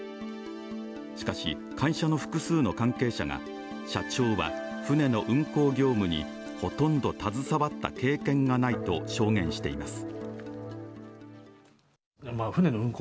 しかし、会社の複数の関係者が社長は船の運航業務にほとんど携わった経験がないと証言しています。